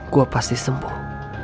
gue pasti sembuh